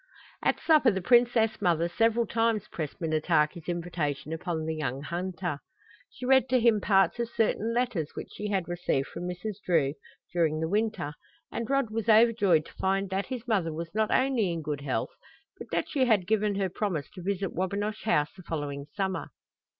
At supper the princess mother several times pressed Minnetaki's invitation upon the young hunter. She read to him parts of certain letters which she had received from Mrs. Drew during the winter, and Rod was overjoyed to find that his mother was not only in good health, but that she had given her promise to visit Wabinosh House the following summer.